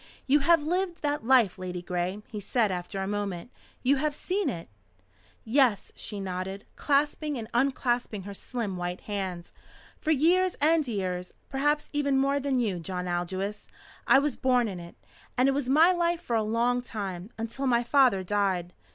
"You have lived that life, Ladygray?" he said after a moment. "You have seen it?" "Yes," she nodded, clasping and unclasping her slim white hands. "For years and years, perhaps even more than you, John Aldous! I was born in it. And it was my life for a long time until my father died."